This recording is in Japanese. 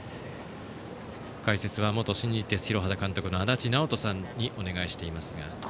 解説は元新日鉄広畑監督の足達尚人さんにお願いしています。